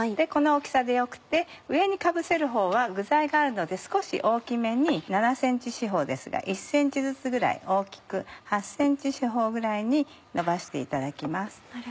この大きさでよくて上にかぶせるほうは具材があるので少し大きめに７ｃｍ四方ですが１ｃｍずつぐらい大きく８ｃｍ四方ぐらいにのばしていただきます。